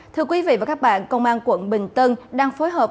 thưa quý vị và các bạn công an quận bình tân đang phối hợp